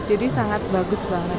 jadi sangat bagus banget